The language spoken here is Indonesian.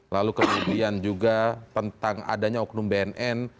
lalu kemudian juga tentang adanya oknum bnn